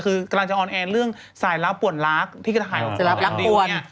คือกำลังจะออนแอนเรื่องสายรับปว่นรักที่ก็ถ่ายคลิปนี้